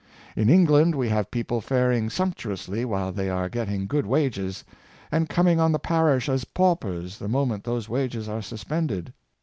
In England we have peo ple faring sumptuously while they are getting good wages; and coming on the parish as paupers the mo ment those wages are suspended.